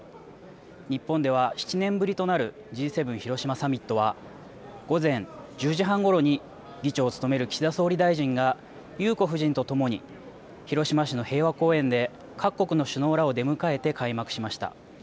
日本では７年ぶりとなるＧ７広島サミットは午前１０時半ごろに議長を務める岸田総理大臣が裕子夫人とともに広島市の平和公園で各国の首脳らを出迎えて開幕しました。